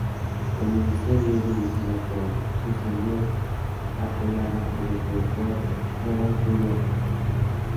La miniserie es dirigida por Susanne Bier, apoyada por el productor Rob Bullock.